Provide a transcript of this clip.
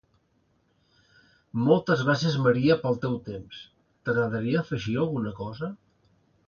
Moltes gràcies Maria pel teu temps, t'agradaria afegir alguna cosa?